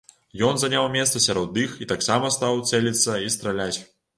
Ён заняў месца сярод іх і таксама стаў цэліцца і страляць.